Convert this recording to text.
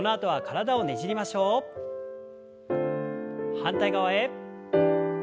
反対側へ。